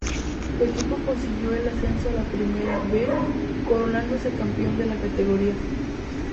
Su equipo consiguió el ascenso a la Primera B, coronándose campeón de la categoría.